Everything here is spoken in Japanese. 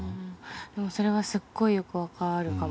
それはすっごいよく分かるかも。